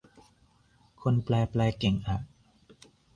คนแปลแปลเก่งอะ